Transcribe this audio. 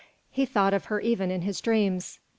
"He thought of her even in his dreams.